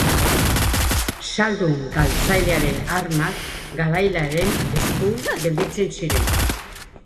Zaldun galtzailearen armak garailearen esku gelditzen ziren.